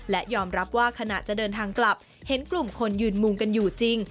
และยอมรับว่าขณะจะเดินทางกลับเห็นกลุ่มคนยืนมุงกันอยู่จริง